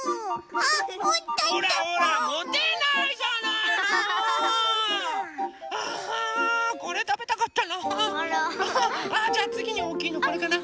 ああじゃあつぎにおおきいのこれかな？